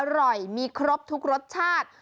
อร่อยมีครบทุกรสชาติ